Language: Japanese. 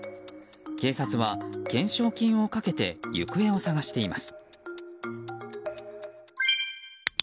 警察は懸賞金をかけて行方を捜しています。